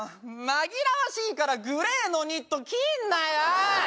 紛らわしいからグレーのニット着んなよ！